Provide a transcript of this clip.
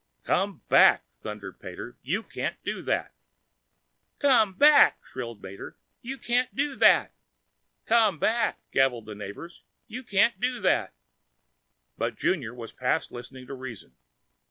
"COME BACK!" thundered Pater. "You CAN'T do that!" "Come back!" shrilled Mater. "You can't do that!" "Come back!" gabbled the neighbors. "You can't do that!" But Junior was past listening to reason.